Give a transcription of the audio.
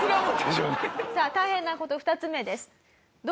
さあ大変な事２つ目です。